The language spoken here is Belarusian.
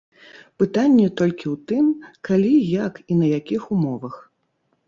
Пытанне толькі ў тым, калі, як і на якіх умовах.